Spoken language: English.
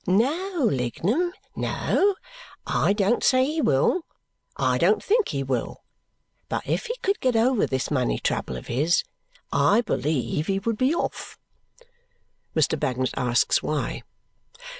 "No, Lignum. No. I don't say he will. I don't think he will. But if he could get over this money trouble of his, I believe he would be off." Mr. Bagnet asks why.